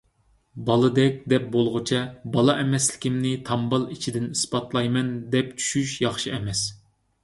«بالىدەك» دەپ بولغۇچە بالا ئەمەسلىكىمنى تامبال ئىچىدىن ئىسپاتلايمەن، دەپ چۈشۈش ياخشى ئەمەس.